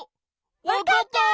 わかった！